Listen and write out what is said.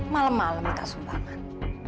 malem malem minta subangan